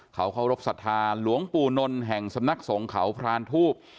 เขาเคารพศรัทธาหลวงปู่นนแห่งสำนักสงขาวพรานธูป